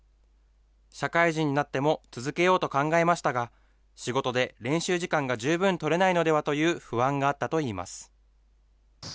社会人になっても続けようと考えましたが、仕事で練習時間が十分取れないのではという不安があったといいます。